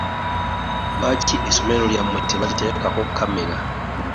Lwaki esomero lyamwe tebaliteekako kamera?